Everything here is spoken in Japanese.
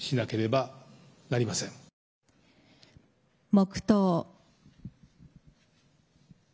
黙とう。